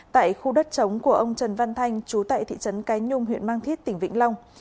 tại khu đất trống của ông trần văn thanh trú tại thị trấn cái nhung huyện mang thiết tỉnh vĩnh long